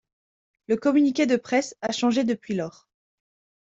Le communiqué de presse a changé depuis lors.